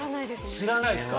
知らないですか。